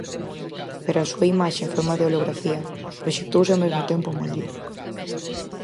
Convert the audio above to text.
Pero a súa imaxe, en forma de holografía, proxectouse ao mesmo tempo en Madrid.